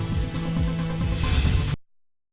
informasinya sesaat lagi ya di good morning